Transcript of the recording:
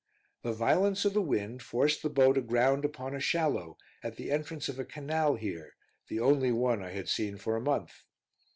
The violence of the wind forced the boat aground upon a shallow, at the entrance of a canal here, the only one I had seen for a month.